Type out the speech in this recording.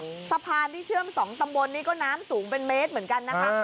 สะพานที่เชื่อมสองตำบลนี่ก็น้ำสูงเป็นเมตรเหมือนกันนะคะ